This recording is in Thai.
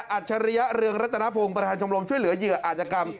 ฉริยะเรืองรัตนพงศ์ประธานชมรมช่วยเหลือเหยื่ออาจกรรม